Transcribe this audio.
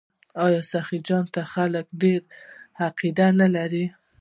آیا سخي جان ته خلک ډیر عقیدت نلري؟